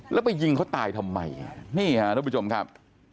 แล้วไปยิงเขาตายทำไม